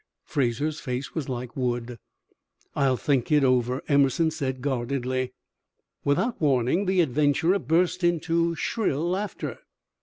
Fraser's face was like wood. "I'll think it over," Emerson said, guardedly. Without warning, the adventurer burst into shrill laughter.